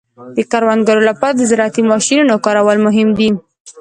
د کروندګرو لپاره د زراعتي ماشینونو کارول مهم دي.